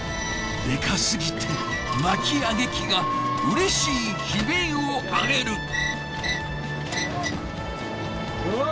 でかすぎて巻き上げ機がうれしい悲鳴を上げる。